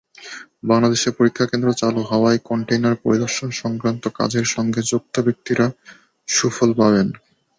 বাংলাদেশে পরীক্ষাকেন্দ্র চালু হওয়ায় কনটেইনার পরিদর্শন-সংক্রান্ত কাজের সঙ্গে যুক্ত ব্যক্তিরা সুফল পাবেন।